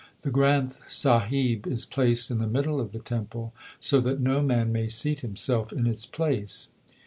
The Granth Sahib is placed in the middle of the temple, so that no man may seat himself in its place.